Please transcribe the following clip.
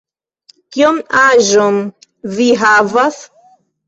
Kiom aĝon vi havas?